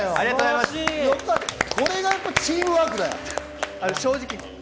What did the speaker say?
これがチームワークだよ。